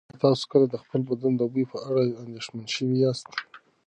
ایا تاسو کله د خپل بدن د بوی په اړه اندېښمن شوي یاست؟